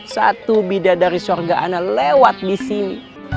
satu bidadari syurga anak lewat di sini